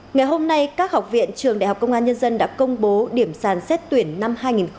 ngày hôm nay các học viện trường đại học công an nhân dân đã công bố điểm sàn xét tuyển năm hai nghìn hai mươi